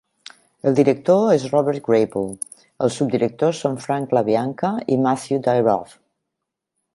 El director és Robert Grable; els subdirectors són Frank LaBianca i Matthew Dyroff.